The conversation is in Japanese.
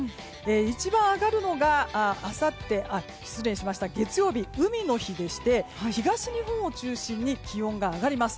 一番上がるのが月曜日、海の日でして東日本を中心に気温が上がります。